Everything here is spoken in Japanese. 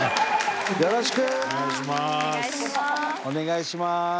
お願いします。